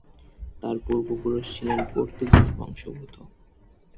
তার পূর্ব-পুরুষ ছিলেন পর্তুগীজ বংশোদ্ভূত।